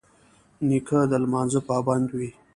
نیکه د لمانځه پابند وي.